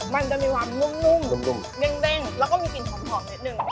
มันจะมีความนุ่มนุ่มเด้งแล้วก็มีกลิ่นหอมนิดนึง